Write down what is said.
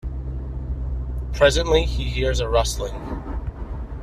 Presently he hears a rustling.